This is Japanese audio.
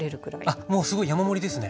あっもうすごい山盛りですね。